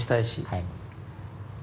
はい。